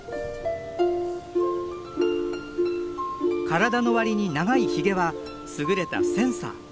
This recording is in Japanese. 体のわりに長いヒゲは優れたセンサー。